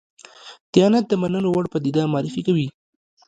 دیانت د منلو وړ پدیده معرفي کړو.